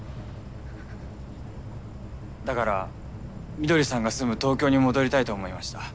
だから翠さんが住む東京に戻りたいと思いました。